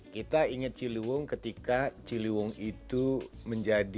kita ingat ciliwung ketika ciliwung itu menjadi